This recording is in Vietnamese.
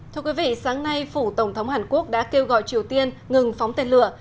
thưa quý vị sáng nay phủ tổng thống hàn quốc đã kêu gọi triều tiên ngừng phóng tên lửa